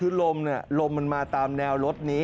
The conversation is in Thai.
คือลมมันมาตามแนวรถนี้